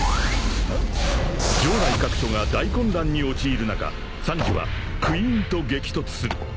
［城内各所が大混乱に陥る中サンジはクイーンと激突する］